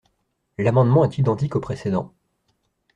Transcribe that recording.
L’amendement est identique au précédent.